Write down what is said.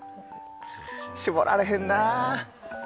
絞られへんな。